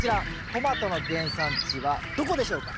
トマトの原産地はどこでしょうか？